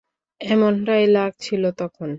এমনটাই লাগছিল তখন।